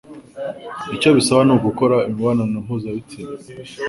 Icyo bisaba ni ugukora imibonano mpuzabitsina